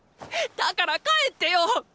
だから帰ってよッ！